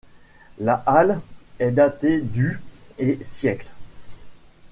La halle est datée du et siècles.